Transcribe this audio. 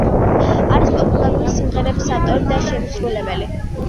არის პოპულარული სიმღერების ავტორი და შემსრულებელი.